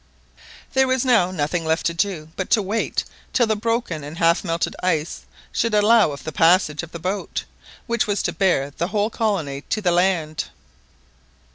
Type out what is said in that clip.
There was now nothing left to do but to wait till the broken and half melted ice should allow of the passage of the boat, which was to bear the whole colony to the land.